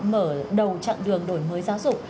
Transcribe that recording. mở đầu chặng đường đổi mới giáo dục